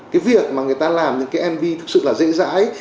cái việc mà người ta làm những cái mv thực sự là dễ dãi